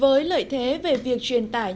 với lợi thế về việc truyền tải những bài hát